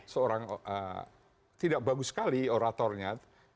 seorang tidak bagus sekali oratornya